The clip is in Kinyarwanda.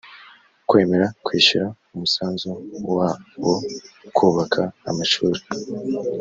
kwemera kwishyura umusanzu wa wo kubaka amashuri